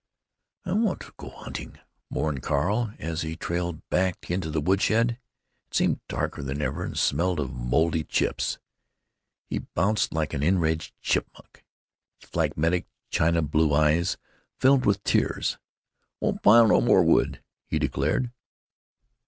"I want to go hunting!" mourned Carl, as he trailed back into the woodshed. It seemed darker than ever and smelled of moldy chips. He bounced like an enraged chipmunk. His phlegmatic china blue eyes filmed with tears. "Won't pile no more wood!" he declared.